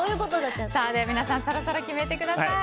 皆さんそろそろ決めてください。